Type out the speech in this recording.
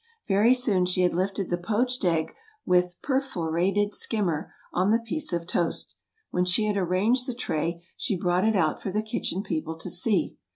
Very soon she had lifted the poached egg with Per for at ed Skimmer on the piece of toast. When she had arranged the tray, she brought it out for the Kitchen People to see.